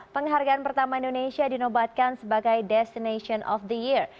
penghargaan pertama indonesia dinobatkan sebagai destination of the year